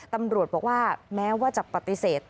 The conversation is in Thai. ตำรวจบอกว่าแม้ว่าจะปฏิเสธ